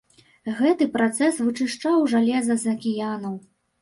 Гэты працэс вычышчаў жалеза з акіянаў.